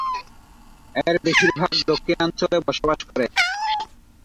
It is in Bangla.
এর বেশিরভাগ দক্ষিণাঞ্চলে বসবাস করে।